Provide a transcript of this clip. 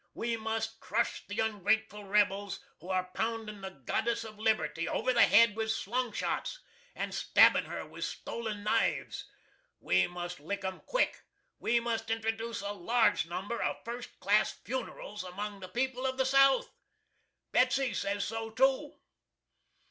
We must crush the ungrateful rebels who are poundin' the Goddess of Liberty over the head with slung shots, and stabbin' her with stolen knives! We must lick 'em quick. We must introduce a large number of first class funerals among the people of the South. Betsy says so too.